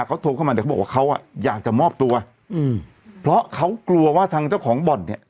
เขาโทรเข้ามาแต่เขาบอกว่าเขาอ่ะอยากจะมอบตัวอืมเพราะเขากลัวว่าทางเจ้าของบ่อนเนี่ย